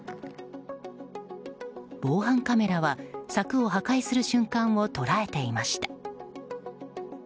防犯カメラは柵を破壊する瞬間を捉えていました。